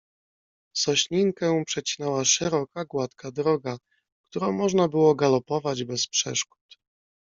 "Sośninkę przecinała szeroka, gładka droga, którą można było galopować bez przeszkód."